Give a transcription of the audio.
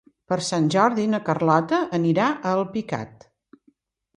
Per Sant Jordi na Carlota anirà a Alpicat.